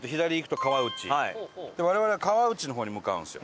我々は川内の方に向かうんですよ。